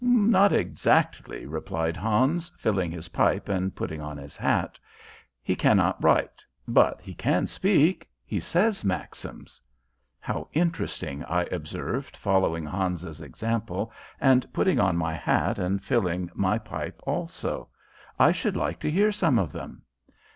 "Not exactly," replied Hans, filling his pipe and putting on his hat. "He cannot write, but he can speak. He says maxims." "How interesting!" I observed, following Hans's example and putting on my hat and filling my pipe also. "I should like to hear some of them."